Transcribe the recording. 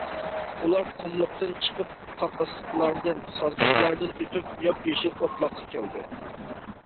ئۇلار قۇملۇقتىن چىقىپ قاقاسلىقلاردىن، سازلىقلاردىن ئۆتۈپ ياپيېشىل ئوتلاققا كەلدى.